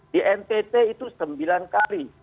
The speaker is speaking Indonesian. di ntt itu sembilan kali